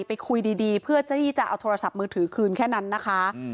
ไปคุยดีเพื่อที่จะเอาโทรศัพท์มือถือคืนแค่นั้นนะคะ